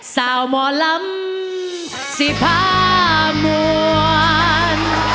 สาวหมอลำสีผ้ามวล